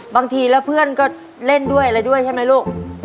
บางทีแล้วเพื่อนก็เล่นด้วยอะไรด้วยใช่ไหมลูก